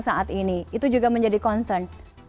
saat ini itu juga menjadi concern